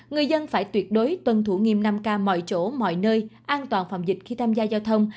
người dân phải tuyệt đối tuân thủ nghiêm năm k mọi chỗ mọi nơi an toàn phòng dịch khi tham gia giao thông